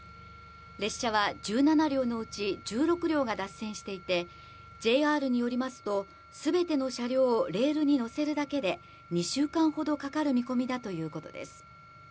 列車は１７両のうち１６両が脱線していてＪＲによりますと、全ての車両をレールに乗せるだけで２週間ほどかかる見込みだということです。